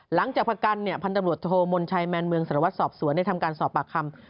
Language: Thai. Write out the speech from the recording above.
หลังจากประกันพันธบรวจโทมนชัยแมนเมืองสารวัตรสอบสวนได้ทำการสอบปากคำ